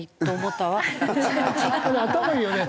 これ頭いいよね。